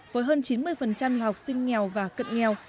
với hơn chín mươi là học sinh nghèo và cận nghèo